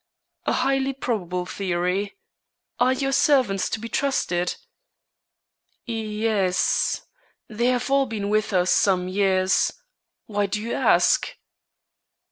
"A highly probable theory. Are your servants to be trusted?" "Y es. They have all been with us some years. Why do you ask?"